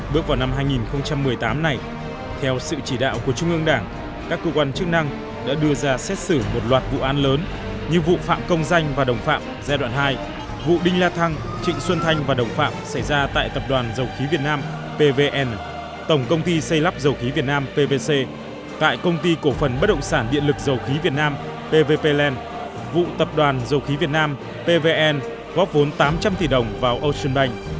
bước vào năm hai nghìn một mươi tám này theo sự chỉ đạo của trung ương đảng các cơ quan chức năng đã đưa ra xét xử một loạt vụ an lớn như vụ phạm công danh và đồng phạm giai đoạn hai vụ đinh la thăng trịnh xuân thanh và đồng phạm xảy ra tại tập đoàn dầu khí việt nam pvn tổng công ty xây lắp dầu khí việt nam pvc tại công ty cổ phần bất động sản biện lực dầu khí việt nam pvp land vụ tập đoàn dầu khí việt nam pvn góp vốn tám trăm linh tỷ đồng vào ocean bank